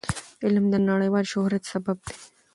علم د نړیوال شهرت سبب دی.